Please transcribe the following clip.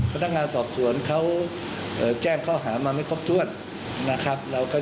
พนักงานสอบสวนเขาแจ้งข้อหามาไม่ครบถ้วนนะครับ